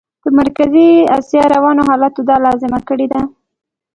د مرکزي اسیا روانو حالاتو دا لازمه کړې ده.